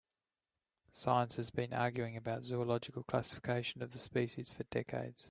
Science has been arguing about the zoological classification of the species for decades.